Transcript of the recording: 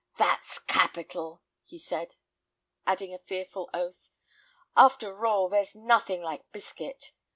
"That's capital!" he said, adding a fearful oath. "After all, there's nothing like biscuit.